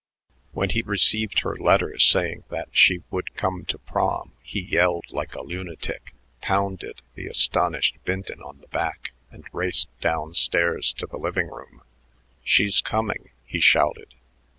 When he received her letter saying that she would come to Prom, he yelled like a lunatic, pounded the astonished Vinton on the back, and raced down stairs to the living room. "She's coming!" he shouted.